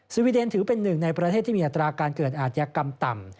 วีเดนถือเป็นหนึ่งในประเทศที่มีอัตราการเกิดอาธิกรรมต่ำ